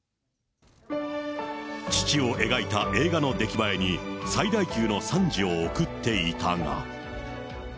父を描いた映画の出来栄えに、最大級の賛辞を送っていたが。